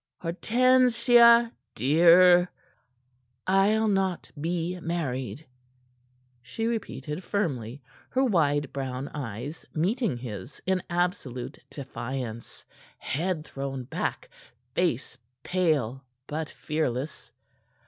Hortensia, dear " "I'll not be married!" she repeated firmly, her wide brown eyes meeting his in absolute defiance, head thrown back, face pale but fearless.